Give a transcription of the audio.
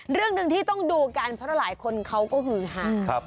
เรื่องหนึ่งที่ต้องดูกันเพราะหลายคนเขาก็หือหา